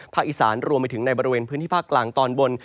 อีสานรวมไปถึงในบริเวณพื้นที่ภาคกลางตอนบน